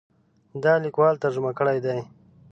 دا لیکوال ترجمه کړی دی.